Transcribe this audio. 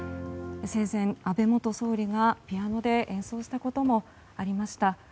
生前、安倍元総理がピアノで演奏したこともありました。